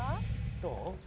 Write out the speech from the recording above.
どう？